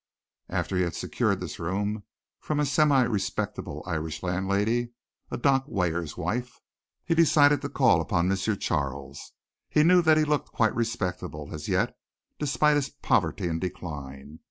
After he had secured this room from a semi respectable Irish landlady, a dock weigher's wife, he decided to call upon M. Charles. He knew that he looked quite respectable as yet, despite his poverty and decline.